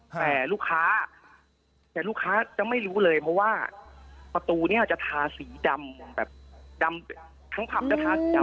แต่ลูกค้าก็จะไม่รู้เลยเพราะว่าประตูเนี่ยจะทาสีดำแบบทั้งผับจะทาสีดำเลยครับ